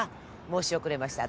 申し遅れました。